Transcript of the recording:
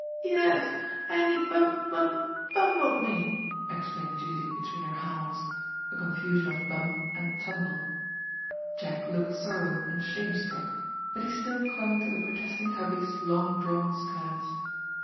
*^Yes, and he bnm bum bombled me," ex plained Judy between her howls — ^a confusion of ^*bamp" and *^ tumble." Jack looked sorrow and shame struck« But he still clung to the protesting Hubbie's long drawn skirts.